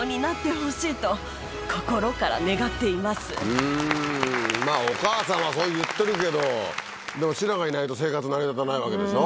うんまぁお母さんはそう言ってるけどでもシラがいないと生活成り立たないわけでしょ？